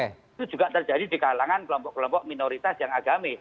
itu juga terjadi di kalangan kelompok kelompok minoritas yang agamis